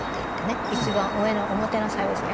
一番上の表の細胞ですね。